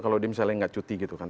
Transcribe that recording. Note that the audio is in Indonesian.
kalau dia misalnya nggak cuti gitu kan